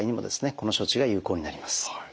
この処置が有効になります。